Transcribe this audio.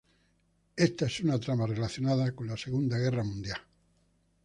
Esta es una trama relacionada con la Segunda Guerra Mundial.